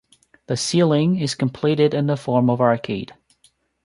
The ceiling is completed in the form of arcade.